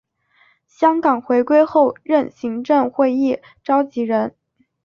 香港回归后任行政会议召集人。